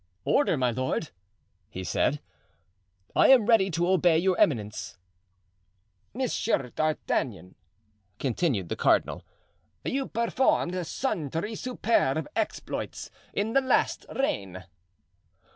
"Order, my lord," he said; "I am ready to obey your eminence." "Monsieur d'Artagnan," continued the cardinal, "you performed sundry superb exploits in the last reign."